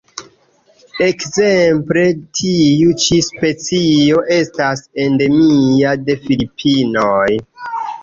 Ekzemple tiu ĉi specio estas endemia de Filipinoj.